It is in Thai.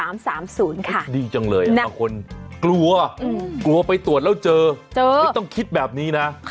มันเป็นคนกลัวเกลียวไปตรวจแล้วเจอไม่ต้องคิดแบบนี้นะ